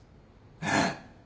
えっ？